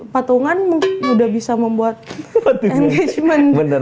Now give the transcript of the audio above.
patungan udah bisa membuat engagement